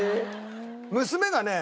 娘がね